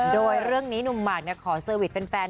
โดยเรื่องนี้หนุ่มหมากขอเซอร์วิสแฟน